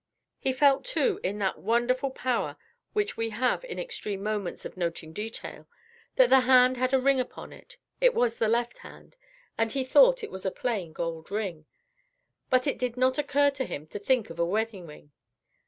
He felt, too, in that wonderful power which we have in extreme moments of noting detail, that the hand had a ring upon it it was the left hand and he thought it was a plain gold ring, but it did not occur to him to think of a wedding ring.